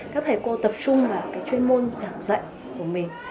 các thầy cô tập trung vào cái chuyên môn giảng dạy của mình